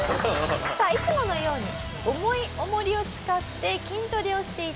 さあいつものように重い重りを使って筋トレをしていたトモヤさん。